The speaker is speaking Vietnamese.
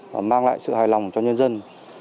và mang lại sự hài lòng cho nhân dân